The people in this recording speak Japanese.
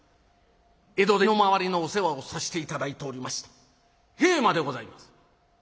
江戸で身の回りのお世話をさせて頂いておりました平馬でございます」。